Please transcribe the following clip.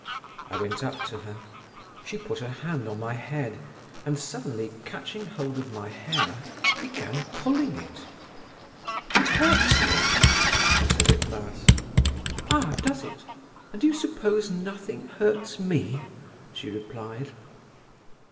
I went up to her. She put her hand on my head, and suddenly catching hold of my hair, began pulling it. "It hurts me," I said at last. "Ah! does it? And do you suppose nothing hurts me?" she replied.